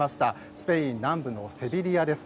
スペイン南部のセビリアです。